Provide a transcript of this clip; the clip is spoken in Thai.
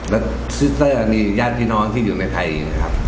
แล้วซิสเตอร์มีญาติพี่น้องที่อยู่ในไทยนะครับ